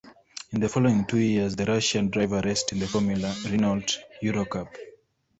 In the following two years the Russian driver raced in the Formula Renault Eurocup.